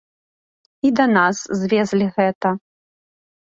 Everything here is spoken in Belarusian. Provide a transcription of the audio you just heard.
І да нас звезлі гэта.